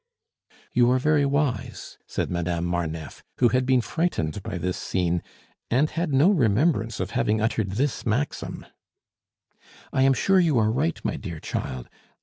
"You are very wise," said Madame Marneffe, who had been frightened by this scene, and had no remembrance of having uttered this maxim. "I am sure you are right, my dear child.